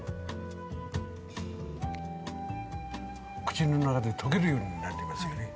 口の中で溶けるようになりますよね